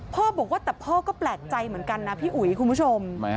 พ่อบอกว่าแต่พ่อก็แปลกใจเหมือนกันนะพี่อุ๋ยคุณผู้ชม